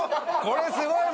これすごい！